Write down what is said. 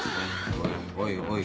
おいおいおい。